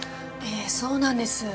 ええそうなんです。